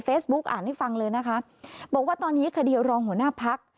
อ่านให้ฟังเลยนะคะบอกว่าตอนนี้คดีรองหัวหน้าพัก